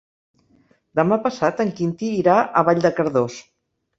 Demà passat en Quintí irà a Vall de Cardós.